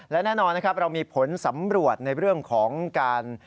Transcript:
และแน่นอนนะครับเรามีผลสำรวจในเรื่องของการ